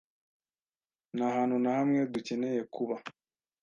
Nta hantu na hamwe dukeneye kuba,